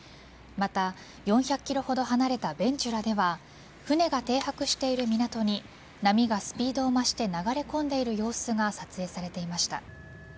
また、４００ｋｍほど離れたベンチュラでは船が停泊している港に波がスピードを増して流れ込んでいる様子が撮影されていました。